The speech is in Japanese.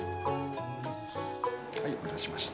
はい、お待たせしました。